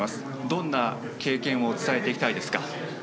どんな経験を伝えていきたいですか？